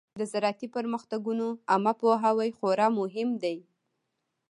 د زراعتي پرمختګونو عامه پوهاوی خورا مهم دی.